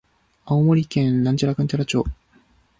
青森県大鰐町